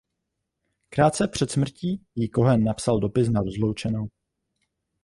Krátce před smrtí jí Cohen napsal dopis na rozloučenou.